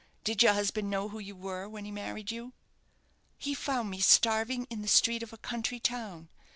Did your husband know who you were when he married you?" "He found me starving in the street of a country town.